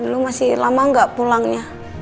lo masih lama gak pulangnya